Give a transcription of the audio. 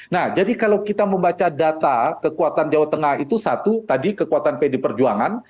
nah jadi kalau kita membaca data kekuatan jawa tengah itu satu tadi kekuatan pd perjuangan